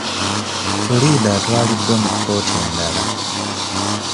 Puliida atwaliddwa mu kkooti endala.